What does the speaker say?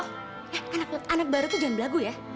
eh anak anak baru tuh jangan berlagu ya